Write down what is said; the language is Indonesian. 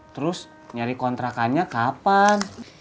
terus nyari kontrakannya kapan